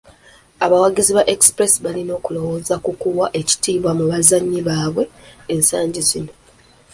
Abawagizi ba Express balina okulowooza ku kuwa ekitiibwa mu bazannyi baabwe ensangi zino.